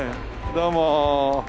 どうも。